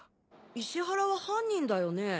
石原は犯人だよね？